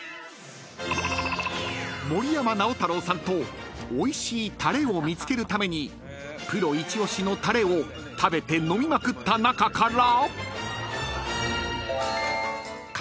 ［森山直太朗さんとおいしいタレを見つけるためにプロ一押しのタレを食べて飲みまくった中から］